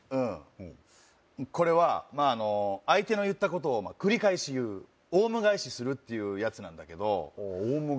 うんこれはまああの相手の言ったことを繰り返し言うオウム返しするっていうやつなんだけどオウム